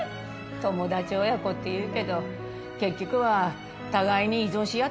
友達親子っていうけど結局は互いに依存し合ってただけなのね。